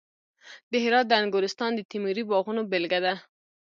د هرات د انګورستان د تیموري باغونو بېلګه ده